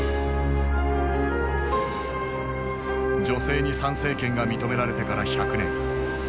女性に参政権が認められてから百年。